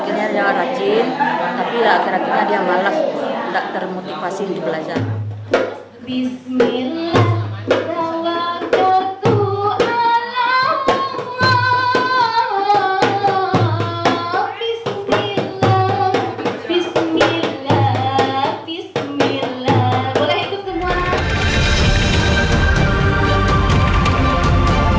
akhirnya dia rajin tapi akhirnya dia malas tidak termotivasi untuk belajar